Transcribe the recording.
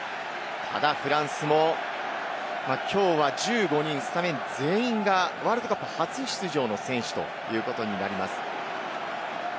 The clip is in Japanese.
ただフランスも、きょうは１５人スタメン全員がワールドカップ初出場の選手ということになります。